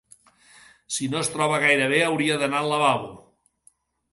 Si no es troba gaire bé hauria d'anar al lavabo.